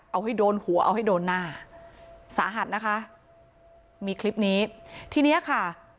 เอาให้โดนหัวเอาให้โดนหน้าสาหัสนะคะมีคลิปนี้ทีเนี้ยค่ะ